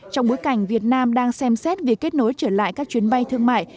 trong bối cảnh việt nam đang xem xét việc kết nối trở lại các chuyến bay thương mại